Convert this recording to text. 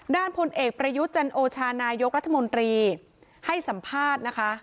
พลเอกประยุทธ์จันโอชานายกรัฐมนตรีให้สัมภาษณ์นะคะ